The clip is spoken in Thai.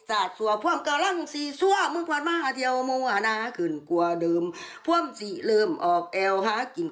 สาดสัวพร้อมกำลังสี่ซั่วมึงพอมาเที่ยวมัวนาขึ้นกว่าเดิมพร้อมสี่เริ่มออกแอวหากิน